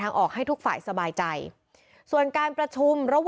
ทางคุณชัยธวัดก็บอกว่าการยื่นเรื่องแก้ไขมาตรวจสองเจน